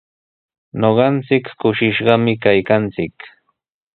Ñuqanchik kushishqami kaykanchik.